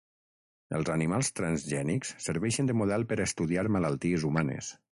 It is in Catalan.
Els animals transgènics serveixen de model per a estudiar malalties humanes.